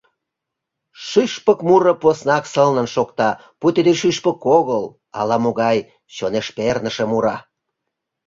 Шӱшпык муро поснак сылнын шокта, пуйто тиде шӱшпык огыл, ала-могай чонеш перныше муро...